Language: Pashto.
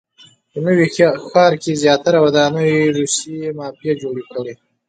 په نوي ښار کې زیاتره ودانۍ روسیې مافیا جوړې کړي.